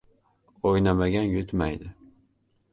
• O‘ynamagan yutmaydi.